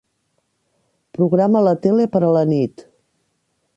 Programa la tele per a la nit.